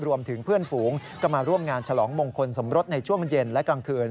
รวมถึงเพื่อนฝูงก็มาร่วมงานฉลองมงคลสมรสในช่วงเย็นและกลางคืน